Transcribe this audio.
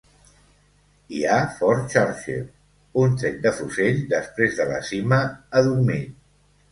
Hi ha Fort Churchill, un tret de fusell després de la cima, adormit.